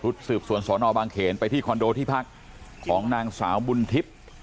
สืบสวนสอนอบางเขนไปที่คอนโดที่พักของนางสาวบุญทิพย์